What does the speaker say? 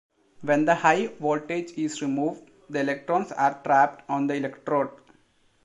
When the high voltage is removed, the electrons are trapped on the electrode.